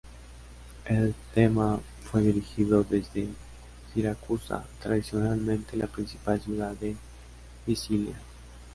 El "thema" fue dirigido desde Siracusa, tradicionalmente la principal ciudad de Sicilia.